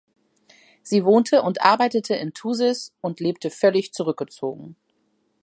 Sie wohnte und arbeitete in Thusis und lebte völlig zurückgezogen.